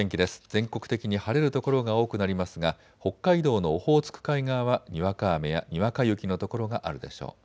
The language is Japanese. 全国的に晴れる所が多くなりますが北海道のオホーツク海側はにわか雨やにわか雪の所があるでしょう。